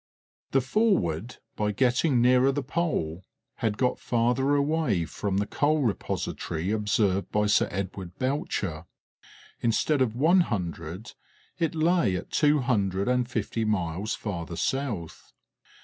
The Forward, by getting nearer the Pole, had got farther away from the coal repository observed by Sir Edward Belcher; instead of one hundred, it lay at two hundred and fifty miles farther south.